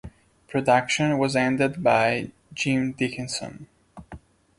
Production was handled by Jim Dickinson.